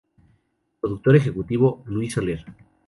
Productor ejecutivo: Luis Soler.